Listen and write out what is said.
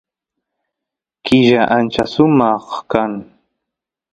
killa ancha sumaq kan